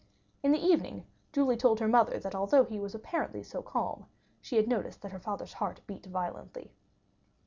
In the evening, Julie told her mother, that although he was apparently so calm, she had noticed that her father's heart beat violently.